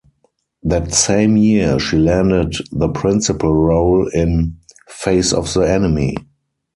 That same year, she landed the principal role in "Face of the Enemy".